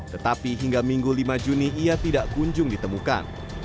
tetapi hingga minggu lima juni ia tidak kunjung ditemukan